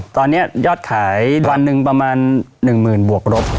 ตอนนี้ยอดขายวันหนึ่งประมาณ๑หมื่นบวกรบ